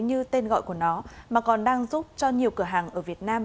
như tên gọi của nó mà còn đang giúp cho nhiều cửa hàng ở việt nam